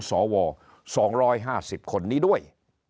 สว๒๕๐คนนี้ด้วย